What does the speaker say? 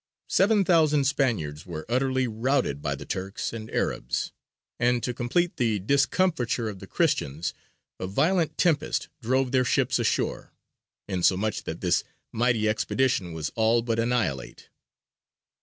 Seven thousand Spaniards were utterly routed by the Turks and Arabs; and to complete the discomfiture of the Christians a violent tempest drove their ships ashore, insomuch that this mighty expedition was all but annihilate.